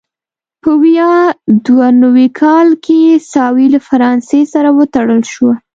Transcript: په ویا دوه نوي کال کې ساوې له فرانسې سره وتړل شوه.